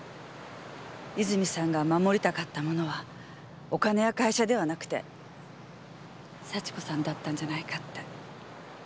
泉さんが守りたかったものはお金や会社ではなくて幸子さんだったんじゃないかって。